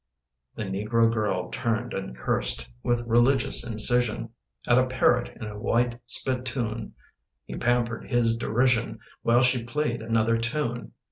The negro girl turned and cursed With religious incision At a parrot in a white spittoon. He pampered his derision While she played another tune.